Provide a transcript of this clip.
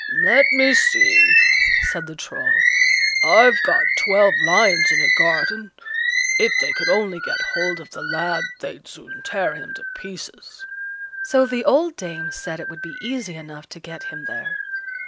"Let me see," said the Troll; "I've got twelve lions in a garden; if they could only get hold of the lad, they'd soon tear him to pieces." So the old dame said it would be easy enough to get him there.